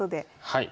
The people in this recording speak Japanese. はい。